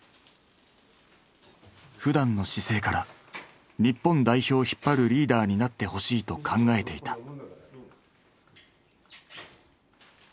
ふだんの姿勢から日本代表を引っ張るリーダーになってほしいと考えていた。